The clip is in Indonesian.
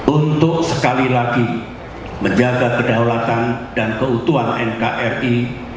untuk sekali lagi menjaga kedaulatan dan keutuhan nkri